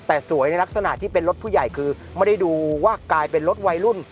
แต่สวยในลักษณะที่เป็นรถผู้ใหญ่คือไม่ได้ดูว่ากลายเป็นรถวัยรุ่น